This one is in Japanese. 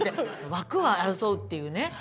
枠を争うっていうね